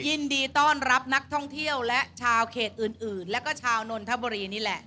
ยินดีต้อนรับนักท่องเที่ยวและชาวเขตอื่นแล้วก็ชาวนนทบุรีนี่แหละ